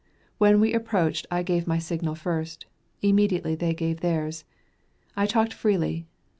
When we approached, I gave my signal first; immediately they gave theirs. I talked freely.